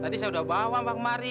tadi saya sudah bawa mbak kemari